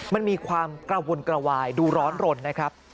มันมีความกระวนกระวายดูร้อนรนนะครับ